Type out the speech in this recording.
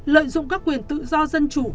lợi dụng các quyền tự do dân chủ